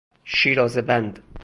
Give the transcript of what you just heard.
شیرازه بند